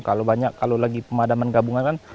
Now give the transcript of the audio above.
kalau lagi pemadaman gabungan kan